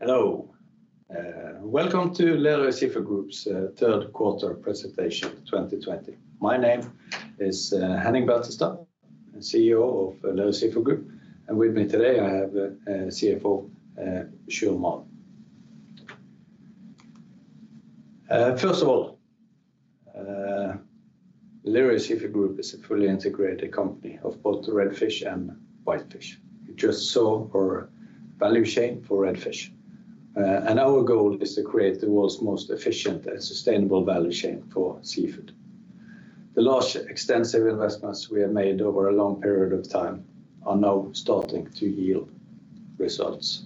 Hello. Welcome to Lerøy Seafood Group's third quarter presentation 2020. My name is Henning Beltestad, CEO of Lerøy Seafood Group, and with me today I have CFO, Sjur Malm. Lerøy Seafood Group is a fully integrated company of both red fish and Whitefish. You just saw our value chain for red fish. Our goal is to create the world's most efficient and sustainable value chain for seafood. The large extensive investments we have made over a long period of time are now starting to yield results.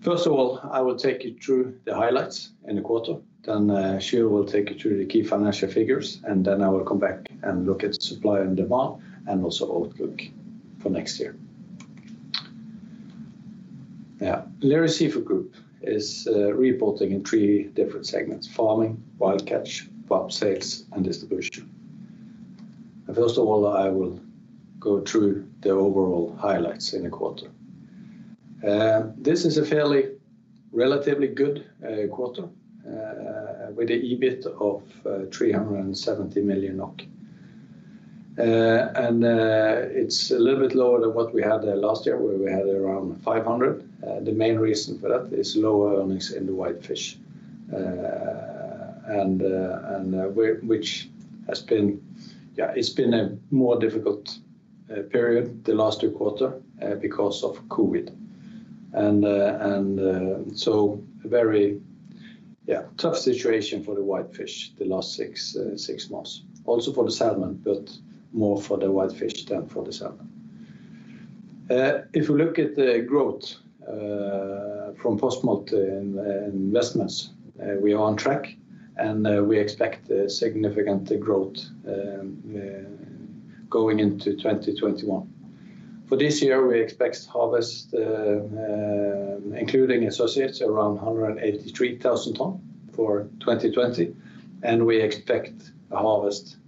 First of all, I will take you through the highlights in the quarter, then Sjur will take you through the key financial figures, and then I will come back and look at supply and demand, and also outlook for next year. Lerøy Seafood Group is reporting in three different segments: Farming, Wild Catch, VAP sales and distribution. First of all, I will go through the overall highlights in the quarter. This is a fairly, relatively good quarter, with an EBIT of 370 million. It's a little bit lower than what we had last year, where we had around 500 million. The main reason for that is low earnings in the Whitefish, which has been a more difficult period the last two quarter because of COVID. A very tough situation for the Whitefish the last six months. Also for the salmon, but more for the Whitefish than for the salmon. If we look at the growth from post-smolt investments, we are on track and we expect significant growth going into 2021. For this year, we expect harvest, including associates, around 183,000 tons for 2020, and we expect a harvest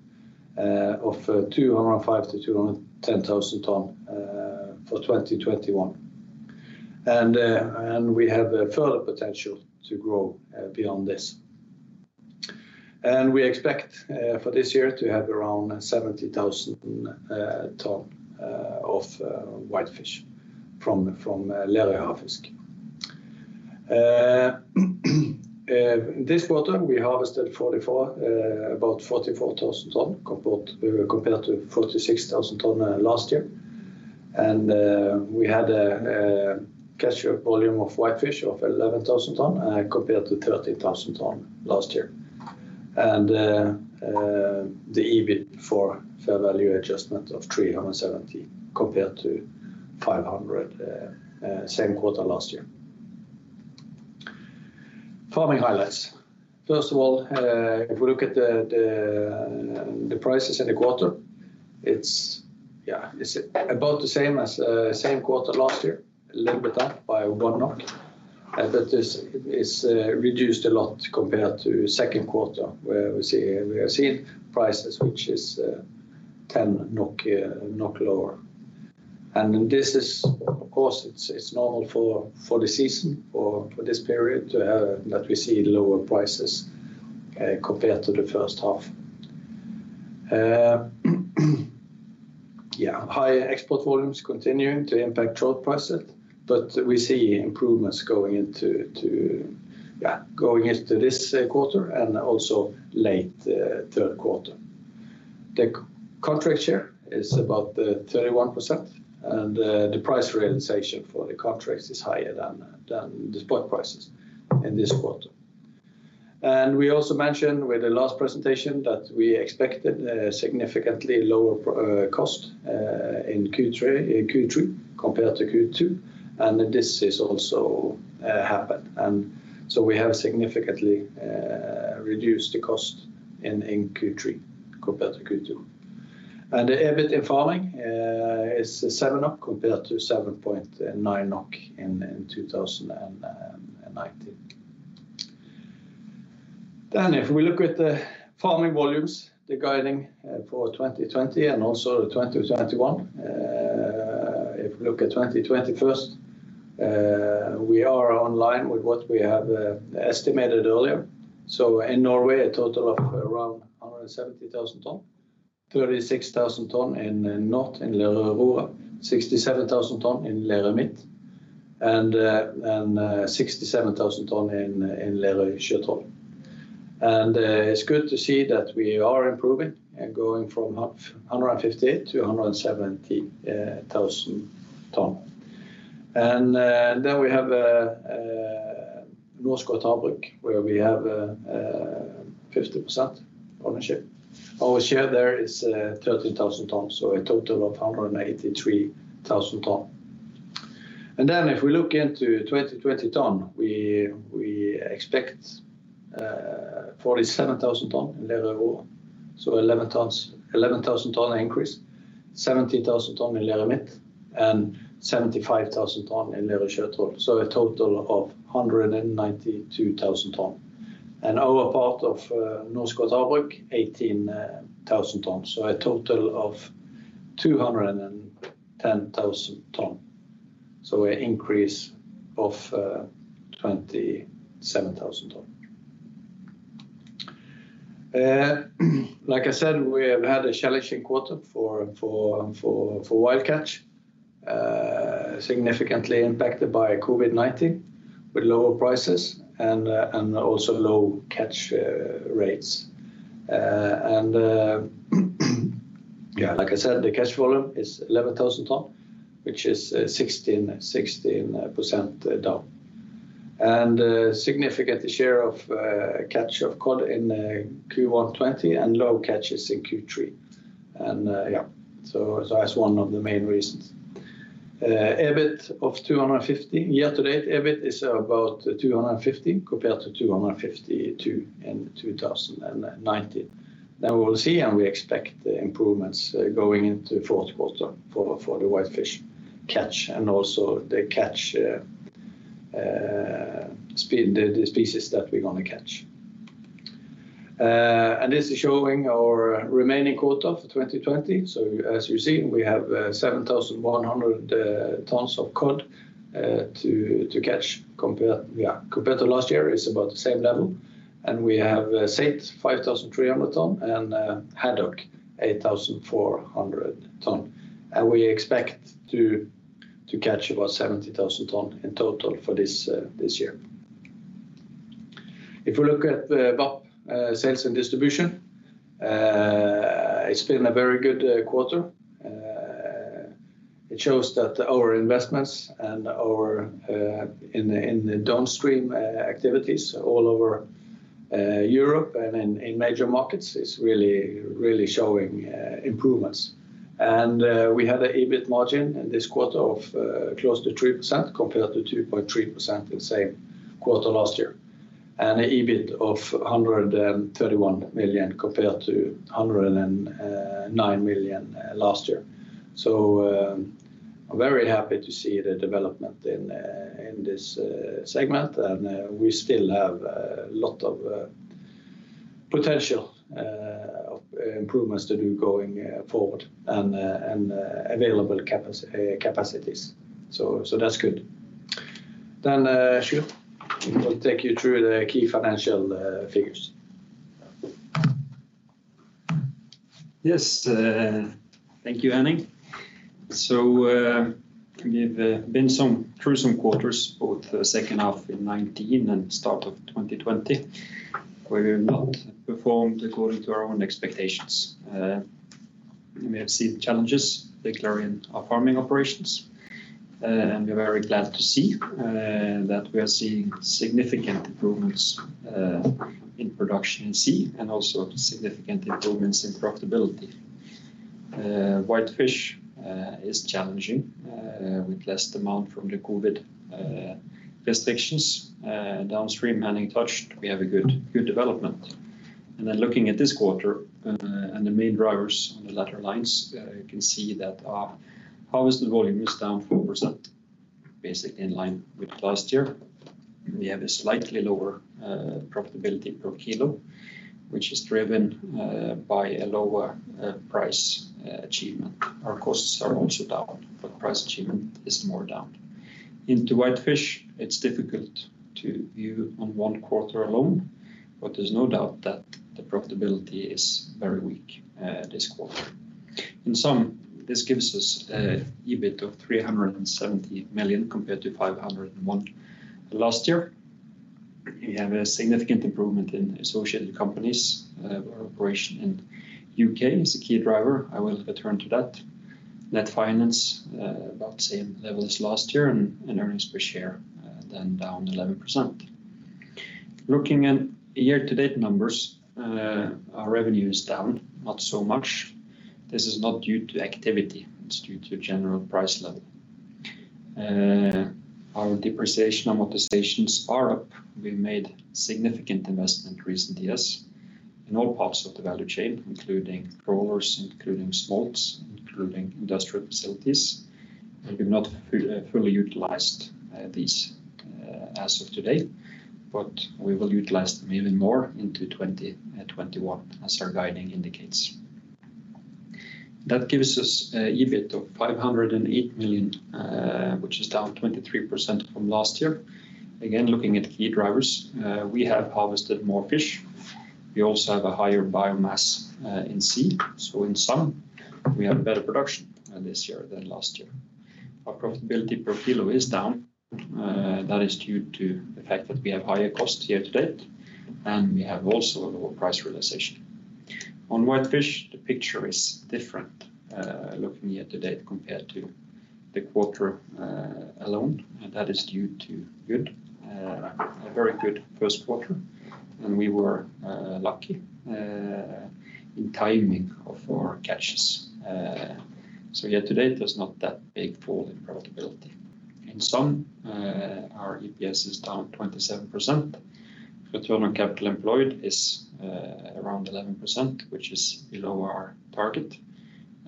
of 205,000 tons-210,000 tons for 2021. We have a further potential to grow beyond this. We expect, for this year, to have around 70,000 ton of Whitefish from Lerøy Havfisk. This quarter, we harvested about 44,000 ton compared to 46,000 ton last year. We had a capture volume of Whitefish of 11,000 ton compared to 13,000 ton last year. The EBIT for fair value adjustment of 370 compared to 500 same quarter last year. Farming highlights. First of all, if we look at the prices in the quarter, it's about the same as same quarter last year, a little bit up by NOK 1. It's reduced a lot compared to second quarter, where we have seen prices which is 10 lower. Of course, it's normal for the season, for this period, that we see lower prices compared to the first half. High export volumes continuing to impact trout prices, we see improvements going into this quarter and also late Q3. The contract share is about 31%, the price realization for the contracts is higher than the spot prices in this quarter. We also mentioned with the last presentation that we expected significantly lower cost in Q3 compared to Q2, this has also happened. We have significantly reduced the cost in Q3 compared to Q2. The EBIT in Farming is 7 compared to 7.9 in 2019. If we look at the Farming volumes, the guiding for 2020 and also 2021. If we look at 2020 first, we are online with what we have estimated earlier. In Norway, a total of around 170,000 ton, 36,000 ton in north in Lerøy Aurora, 67,000 ton in Lerøy Midt, and 67,000 ton in Lerøy Sjøtroll. It's good to see that we are improving and going from 158,000 to 170,000 ton. We have Norskott Havbruk where we have 50% ownership. Our share there is 13,000 tons, so a total of 183,000 ton. If we look into 2021, we expect 47,000 ton in Lerøy Aurora, so 11,000 ton increase, 17,000 ton in Lerøy Midt, and 75,000 ton in Lerøy Sjøtroll, so a total of 192,000 ton. Our part of Norskott Havbruk, 18,000 tons, so a total of 210,000 ton. An increase of 27,000 ton. Like I said, we have had a challenging quarter for Wild Catch. Significantly impacted by COVID-19 with lower prices and also low catch rates. Like I said, the catch volume is 11,000 ton, which is 16% down. A significant share of catch of cod in Q1 2020 and low catches in Q3. That's one of the main reasons. Year-to-date EBIT is about 250 compared to 252 in 2019. We will see, and we expect improvements going into fourth quarter for the Whitefish catch and also the species that we're going to catch. This is showing our remaining quota for 2020. As you see, we have 7,100 tons of cod to catch. Compared to last year, it's about the same level. We have saithe 5,300 ton and haddock 8,400 ton. We expect to catch about 17,000 ton in total for this year. If we look at the VAP sales and distribution, it's been a very good quarter. It shows that our investments in the downstream activities all over Europe and in major markets is really showing improvements. We had an EBIT margin in this quarter of close to 3% compared to 2.3% in the same quarter last year. An EBIT of 131 million compared to 109 million last year. I'm very happy to see the development in this segment. We still have a lot of potential improvements to do going forward and available capacities. That's good. Sjur will take you through the key financial figures. Yes. Thank you, Henning. We've been through some quarters, both the second half in 2019 and start of 2020, where we have not performed according to our own expectations. We have seen challenges, particularly in our Farming operations. We are very glad to see that we are seeing significant improvements in production in sea and also significant improvements in profitability. Wild Catch is challenging with less demand from the COVID restrictions. Downstream, Henning touched, we have a good development. Looking at this quarter and the main drivers on the latter lines, you can see that our harvested volume is down 4%, basically in line with last year. We have a slightly lower profitability per kilo, which is driven by a lower price achievement. Our costs are also down, price achievement is more down. Into Whitefish, it's difficult to view on one quarter alone, but there's no doubt that the profitability is very weak this quarter. In sum, this gives us an EBIT of 370 million compared to 501 million last year. We have a significant improvement in associated companies. Our operation in U.K. is a key driver. I will return to that. Net finance about the same level as last year, and earnings per share then down 11%. Looking at year-to-date numbers, our revenue is down, not so much. This is not due to activity, it's due to general price level. Our depreciation and amortization is far up. We made significant investment recent years in all parts of the value chain, including trawlers, including smolts, including industrial facilities. We have not fully utilized these as of today, but we will utilize them even more into 2021 as our guiding indicates. That gives us EBIT of 508 million, which is down 23% from last year. Again, looking at key drivers, we have harvested more fish. We also have a higher biomass in sea. In sum, we have better production this year than last year. Our profitability per kilo is down. That is due to the fact that we have higher costs year to date, and we have also a lower price realization. On Whitefish, the picture is different looking year to date compared to the quarter alone. That is due to a very good first quarter, and we were lucky in timing of our catches. Year to date, there's not that big fall in profitability. In sum, our EPS is down 27%. Return on capital employed is around 11%, which is below our target.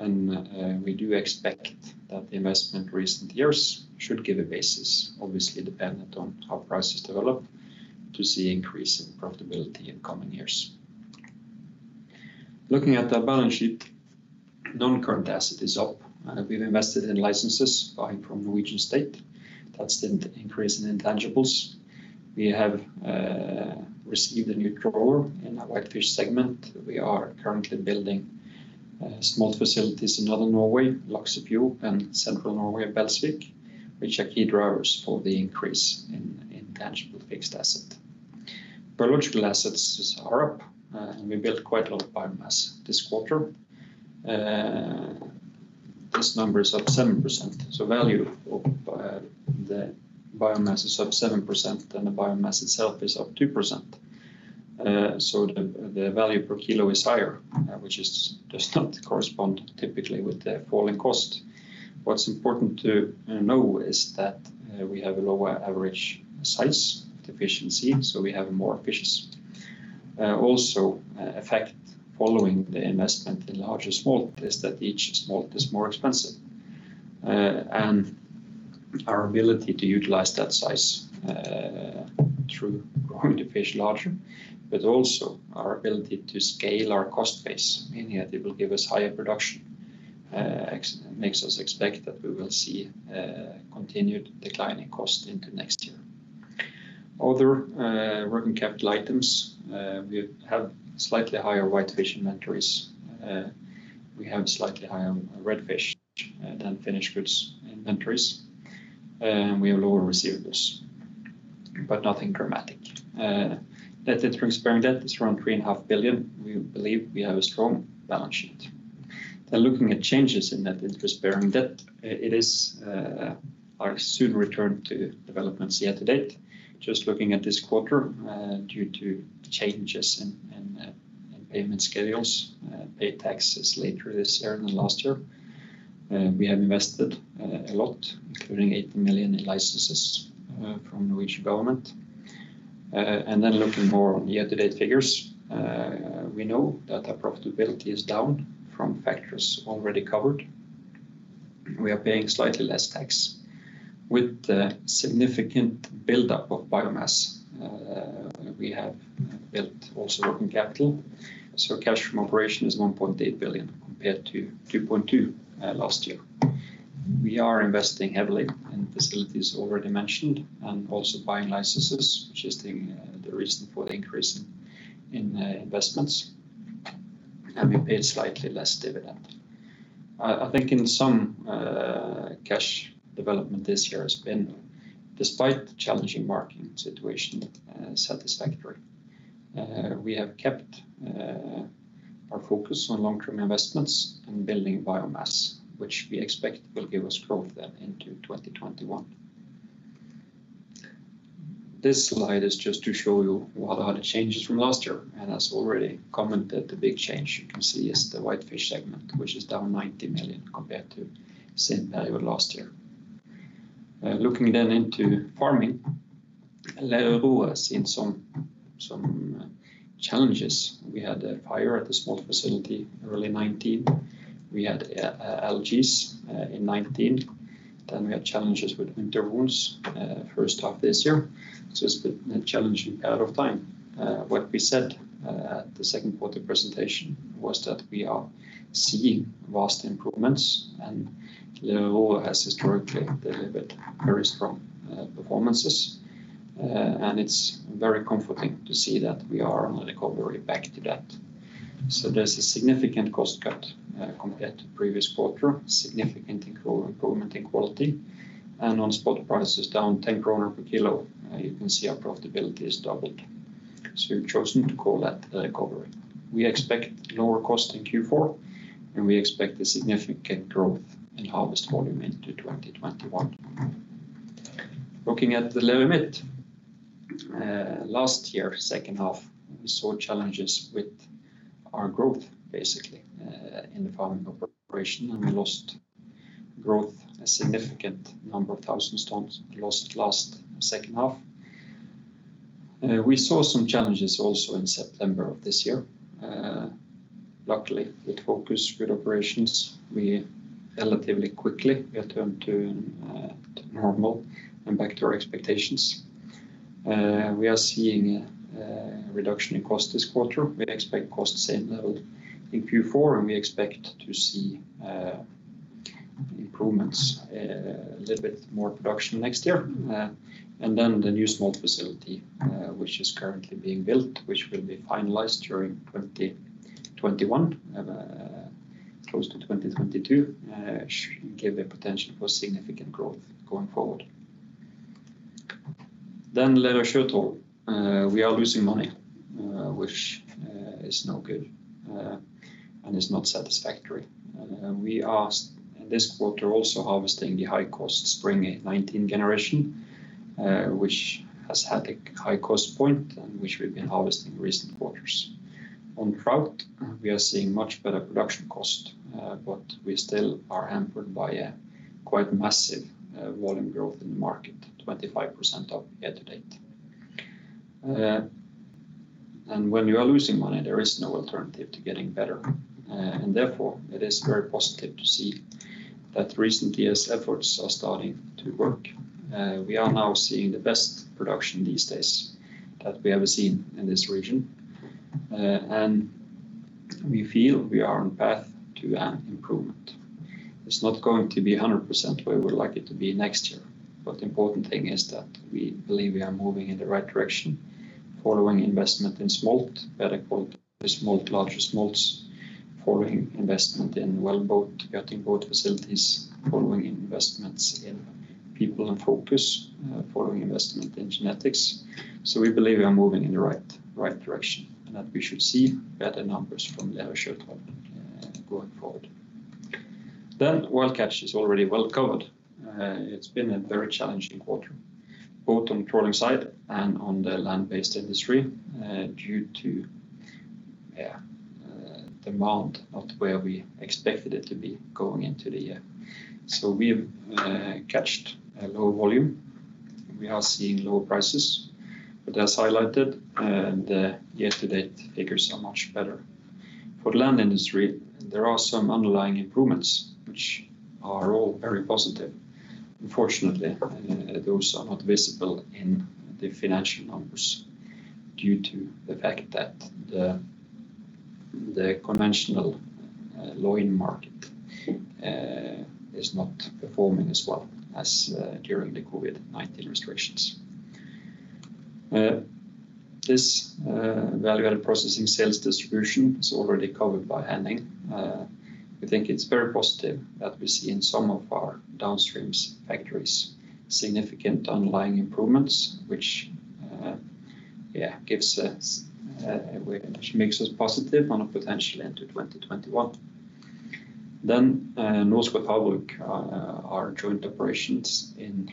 We do expect that the investment recent years should give a basis, obviously dependent on how prices develop, to see increase in profitability in coming years. Looking at the balance sheet, non-current asset is up. We've invested in licenses buying from Norwegian state. That's the increase in intangibles. We have received a new trawler in our Wild Catch segment. We are currently building smolt facilities in Northern Norway, Laksefjord, and Central Norway at Belsvik, which are key drivers for the increase in intangible fixed asset. Biological assets are up. We built quite a lot of biomass this quarter. This number is up 7%, so value of the biomass is up 7%, and the biomass itself is up 2%. The value per kilo is higher, which does not correspond typically with the falling cost. What's important to know is that we have a lower average size of the fish in sea, so we have more fishes. Effect following the investment in larger smolt is that each smolt is more expensive. Our ability to utilize that size through growing the fish larger, but also our ability to scale our cost base, meaning that it will give us higher production, makes us expect that we will see a continued decline in cost into next year. Other working capital items. We have slightly higher Whitefish inventories. We have slightly higher red fish than finished goods inventories. We have lower receivables, but nothing dramatic. Net interest-bearing debt is around 3.5 billion. We believe we have a strong balance sheet. Looking at changes in net interest-bearing debt. It is our soon return to developments yet to date. Just looking at this quarter, due to changes in payment schedules, paid taxes later this year than last year. We have invested a lot, including 80 million in licenses from Norwegian government. Looking more on year-to-date figures. We know that our profitability is down from factors already covered. We are paying slightly less tax. With the significant buildup of biomass, we have built also working capital, so cash from operation is 1.8 billion compared to 2.2 billion last year. We are investing heavily in facilities already mentioned, also buying licenses, which is the reason for the increase in investments, and we paid slightly less dividend. I think in some cash development this year has been, despite the challenging marketing situation, satisfactory. We have kept our focus on long-term investments and building biomass, which we expect will give us growth into 2021. This slide is just to show you what are the changes from last year. As already commented, the big change you can see is the Whitefish segment, which is down 90 million compared to the same period last year. Looking into Farming. Lerøy has seen some challenges. We had a fire at the smolt facility early 2019. We had algae in 2019. We had challenges with winter wounds first half of this year. It's been a challenging period of time. What we said at the second quarter presentation was that we are seeing vast improvements and Lerøy has historically delivered very strong performances. It's very comforting to see that we are on the recovery back to that. There's a significant cost cut compared to previous quarter, significant improvement in quality, and on spot prices down 10 kroner per kilo. You can see our profitability is doubled. We've chosen to call that a recovery. We expect lower cost in Q4, and we expect a significant growth in harvest volume into 2021. Looking at the Lerøy Midt. Last year, second half, we saw challenges with our growth, basically, in the farming operation, and we lost growth, a significant number of 1,000 tons lost last second half. We saw some challenges also in September of this year. Luckily, with focus, good operations, we relatively quickly returned to normal and back to our expectations. We are seeing a reduction in cost this quarter. We expect cost the same level in Q4, and we expect to see improvements, a little bit more production next year. The new smolt facility, which is currently being built, which will be finalized during 2021, close to 2022, should give a potential for significant growth going forward. Lerøy Sjøtroll. We are losing money, which is no good and is not satisfactory. We are this quarter also harvesting the high-cost spring 2019 generation, which has had a high-cost point and which we've been harvesting recent quarters. On trout, we are seeing much better production cost, but we still are hampered by a quite massive volume growth in the market, 25% up yet to date. When you are losing money, there is no alternative to getting better. It is very positive to see that recent years' efforts are starting to work. We are now seeing the best production these days that we have seen in this region. We feel we are on path to an improvement. It's not going to be 100% where we would like it to be next year. Important thing is that we believe we are moving in the right direction following investment in smolt, better quality smolt, larger smolts, following investment in wellboat, gutting boat facilities, following investments in people and focus, following investment in genetics. We believe we are moving in the right direction, and that we should see better numbers from the other Sjøtroll going forward. Wild Catch is already well covered. It's been a very challenging quarter, both on trawling side and on the land-based industry, due to demand not where we expected it to be going into the year. We've catched a low volume. We are seeing lower prices. As highlighted, and year to date figures are much better. For the land industry, there are some underlying improvements which are all very positive. Unfortunately, those are not visible in the financial numbers due to the fact that the conventional loin market is not performing as well as during the COVID-19 restrictions. This VAP, Sales and Distribution is already covered by Henning. We think it's very positive that we see in some of our downstreams factories significant underlying improvements, which makes us positive on a potentially into 2021. Norskott Havbruk are joint operations in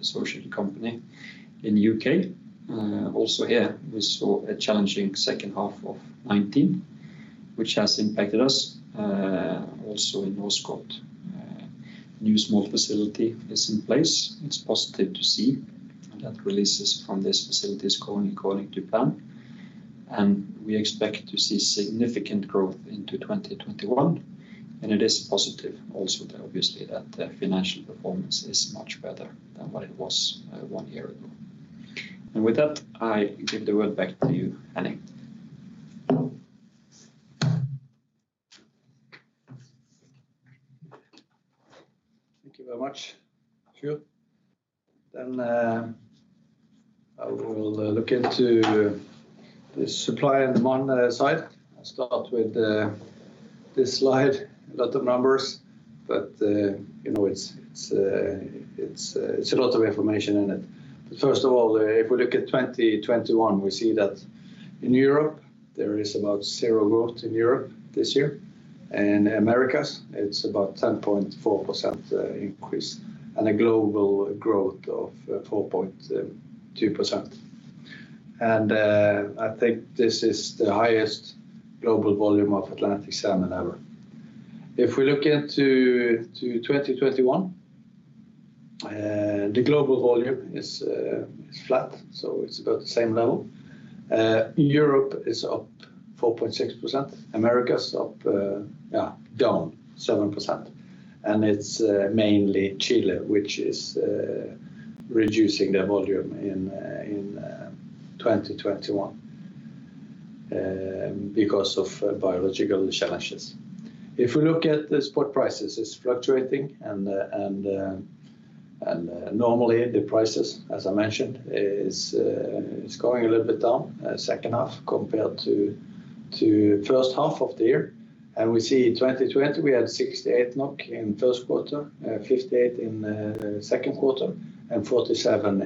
associated company in the U.K. Also here we saw a challenging second half of 2019, which has impacted us, also in North Scotland. New smolt facility is in place. It's positive to see that releases from this facility is going according to plan, and we expect to see significant growth into 2021. It is positive also obviously that the financial performance is much better than what it was one year ago. With that, I give the word back to you, Henning. Thank you very much, Sjur. I will look into the supply and demand side. I start with this slide. A lot of numbers, but it's a lot of information in it. First of all, if we look at 2021, we see that in Europe, there is about zero growth in Europe this year. In Americas, it's about 10.4% increase, a global growth of 4.2%. I think this is the highest global volume of Atlantic salmon ever. If we look into to 2021, the global volume is flat, it's about the same level. Europe is up 4.6%. Americas down 7%. It's mainly Chile which is reducing their volume in 2021 because of biological challenges. If we look at the spot prices, it's fluctuating normally the prices, as I mentioned, is going a little bit down second half compared to first half of the year. We see 2020, we had 68 NOK in first quarter, 58 in second quarter, and 47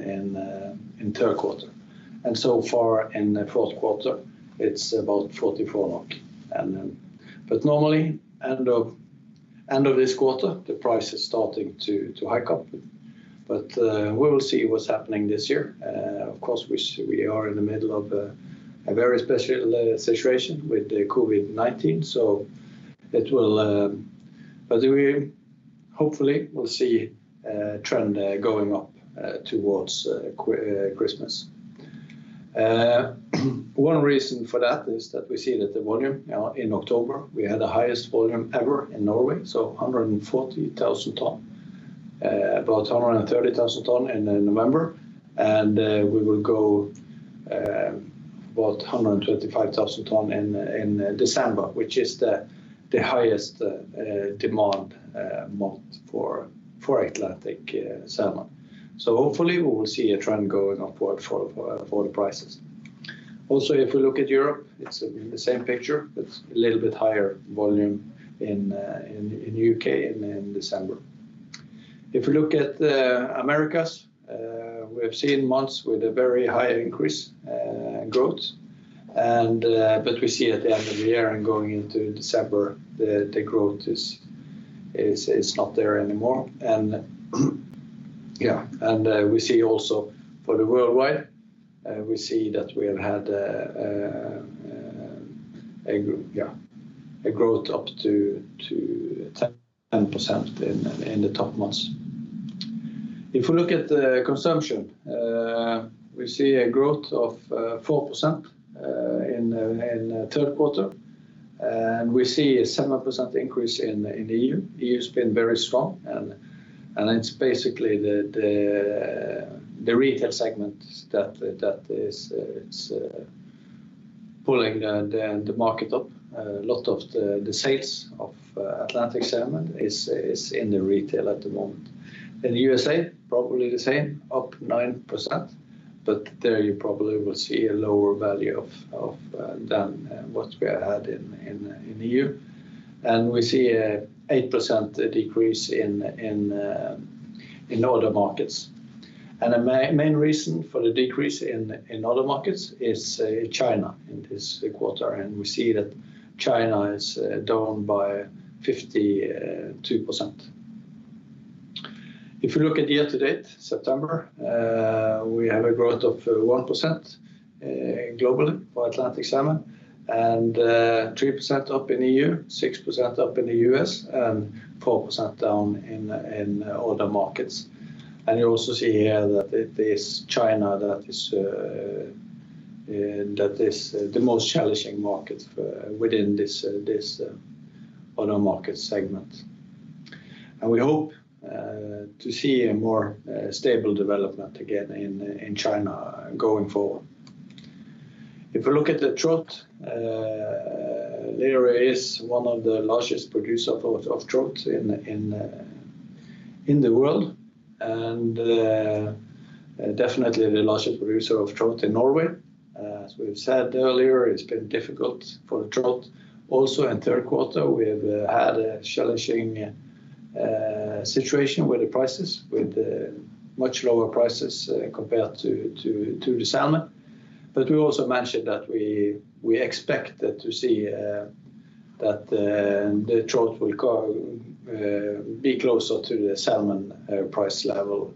in third quarter. So far in the fourth quarter, it's about 44 NOK. Normally, end of this quarter, the price is starting to hike up. We will see what's happening this year. Of course, we are in the middle of a very special situation with the COVID-19, but we hopefully will see a trend going up towards Christmas. One reason for that is that we see that the volume in October, we had the highest volume ever in Norway, so 140,000 tons. About 130,000 tons in November. We will go about 125,000 tons in December, which is the highest demand month for Atlantic salmon. Hopefully we will see a trend going upward for the prices. If we look at Europe, it's the same picture with a little bit higher volume in U.K. in December. If we look at Americas, we have seen months with a very high increase growth. We see at the end of the year and going into December, the growth is not there anymore. We see also for the worldwide, we see that we have had a growth up to 10% in the top months. If we look at the consumption, we see a growth of 4% in third quarter. We see a 7% increase in EU. EU has been very strong and it's basically the retail segment that is pulling the market up. A lot of the sales of Atlantic salmon is in the retail at the moment. In the U.S.A., probably the same, up 9%, there you probably will see a lower value than what we had in the E.U. We see a 8% decrease in other markets. The main reason for the decrease in other markets is China in this quarter, we see that China is down by 52%. If you look at year to date, September, we have a growth of 1% globally for Atlantic salmon, 3% up in the E.U., 6% up in the U.S., 4% down in other markets. You also see here that it is China that is the most challenging market within this other market segment. We hope to see a more stable development again in China going forward. If you look at the trout, Lerøy is one of the largest producer of trout in the world and definitely the largest producer of trout in Norway. As we've said earlier, it's been difficult for the trout also in third quarter. We have had a challenging situation with the prices, with much lower prices compared to the salmon. We also mentioned that we expect to see that the trout will be closer to the salmon price level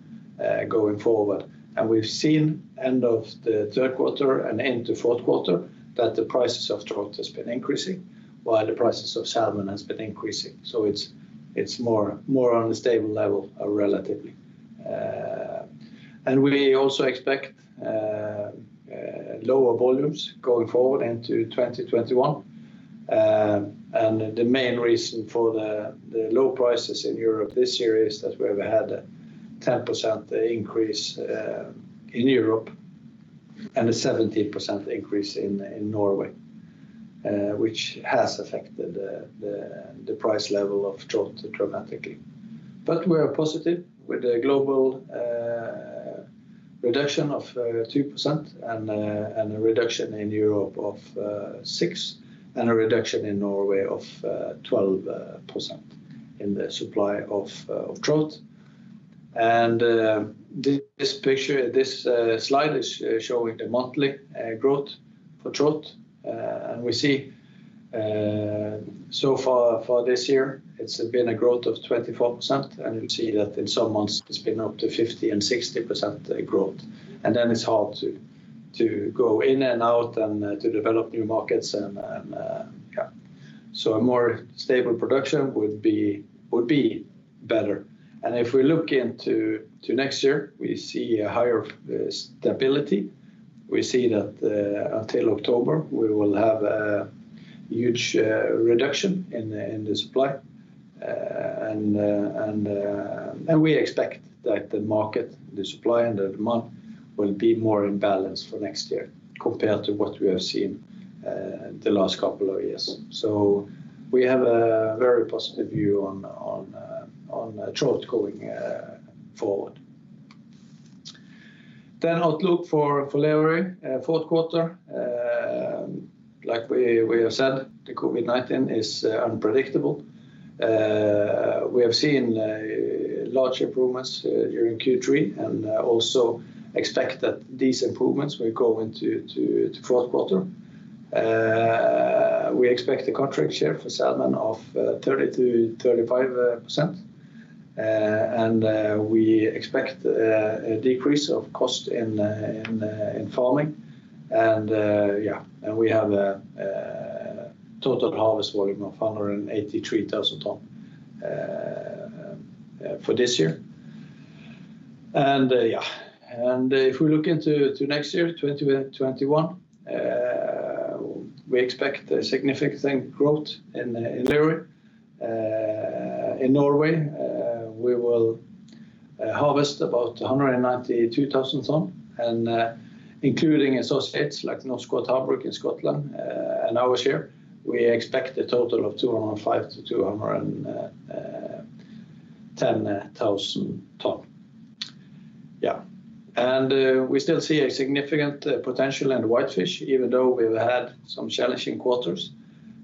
going forward. We've seen end of the third quarter and into fourth quarter that the prices of trout has been increasing while the prices of salmon has been decreasing. It's more on a stable level, relatively. We also expect lower volumes going forward into 2021. The main reason for the low prices in Europe this year is that we've had a 10% increase in Europe and a 17% increase in Norway, which has affected the price level of trout dramatically. We are positive with the global reduction of 2% and a reduction in Europe of 6%, and a reduction in Norway of 12% in the supply of trout. This slide is showing the monthly growth for trout. We see so far for this year, it's been a growth of 24%, and you see that in some months it's been up to 50% and 60% growth. Then it's hard to go in and out and to develop new markets. A more stable production would be better. If we look into next year, we see a higher stability. We see that until October we will have a huge reduction in the supply. We expect that the market, the supply and the demand will be more in balance for next year compared to what we have seen the last couple of years. We have a very positive view on trout going forward. Outlook for Lerøy fourth quarter. Like we have said, the COVID-19 is unpredictable. We have seen large improvements during Q3 and also expect that these improvements will go into fourth quarter. We expect a contract share for salmon of 30%-35%, and we expect a decrease of cost in Farming. We have a total harvest volume of 183,000 tons for this year. If we look into next year, 2021, we expect a significant growth in Lerøy. In Norway, we will harvest about 192,000 tons and including associates like Norskott Havbruk in Scotland and our share, we expect a total of 205,000 tons-210,000 tons. We still see a significant potential in the Whitefish even though we've had some challenging quarters.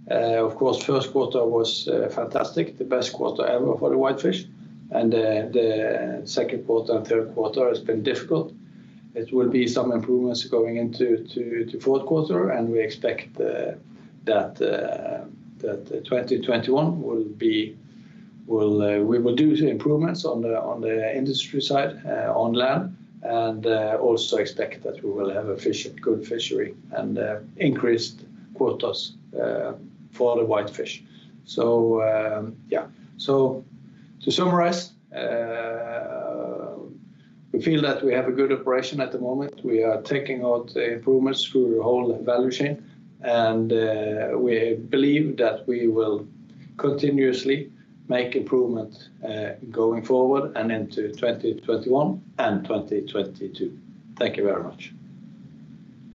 Of course, first quarter was fantastic, the best quarter ever for the Whitefish, and the second quarter and third quarter has been difficult. It will be some improvements going into fourth quarter, and we expect that 2021 we will do the improvements on the industry side on land and also expect that we will have a good fishery and increased quotas for the Whitefish. To summarize, we feel that we have a good operation at the moment. We are taking out the improvements through the whole value chain, and we believe that we will continuously make improvements going forward and into 2021 and 2022. Thank you very much.